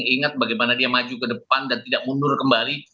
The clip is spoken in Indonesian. ingat bagaimana dia maju ke depan dan tidak mundur kembali